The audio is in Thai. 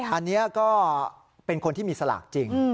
อันนี้ก็เป็นคนที่มีสลากจริง